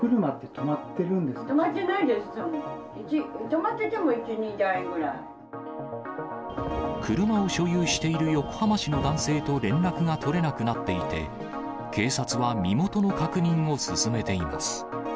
止まっ車を所有している横浜市の男性と連絡が取れなくなっていて、警察は身元の確認を進めています。